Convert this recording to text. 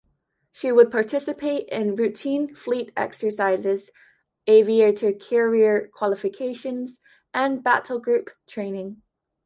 She would participate in routine fleet exercises, aviator carrier qualifications, and battle group training.